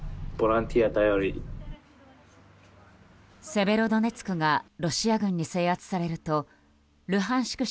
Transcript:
セベロドネツクがロシア軍に制圧されるとルハンシク